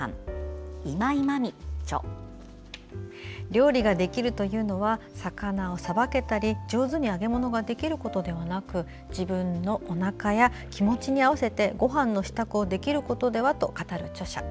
料理ができるというのは魚をさばけたり上手に揚げ物ができることではなく自分のおなかや気持ちに合わせてごはんの支度をできることでは？と語る著者。